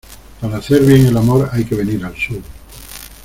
Para hacer bien el amor hay que venir al sur.